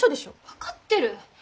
分かってる！